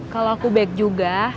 kalau aku baik juga